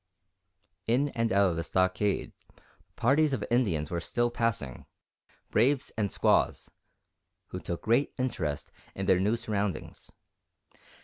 In and out of the stockade, parties of Indians were still passing, braves and squaws, who took great interest in their new surroundings.